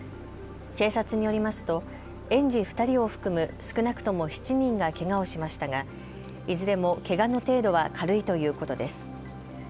警察によりますと園児２人を含む少なくとも７人がけがをしましたがいずれもけがの程度は軽いということです。